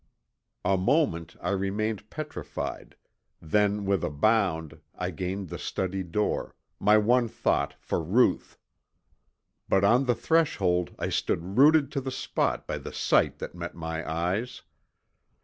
A moment I remained petrified, then with a bound I gained the study door, my one thought for Ruth. But on the threshold I stood rooted to the spot by the sight that met my eyes!